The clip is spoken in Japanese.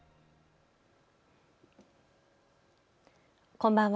こんばんは。